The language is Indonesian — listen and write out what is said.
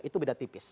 itu beda tipis